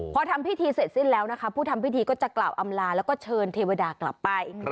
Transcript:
พอทำพิธีเสร็จสิ้นแล้วนะคะผู้ทำพิธีก็จะกล่าวอำลาแล้วก็เชิญเทวดากลับไป